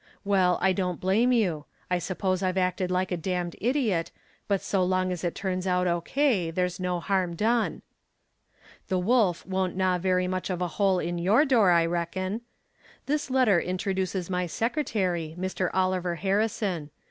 Well, I don't blame you; I suppose I've acted like a damned idiot, but so long as it turns out O.K. there's no harm done. The wolf won't gnaw very much of a hole in your door, I reckon. This letter introduces my secretary, Mr. Oliver Harrison.